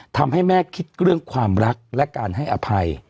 ทำให้แม่คิดเรื่องความรักและการให้อภัย